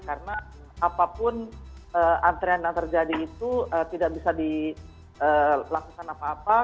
karena apapun antrian yang terjadi itu tidak bisa dilakukan apa apa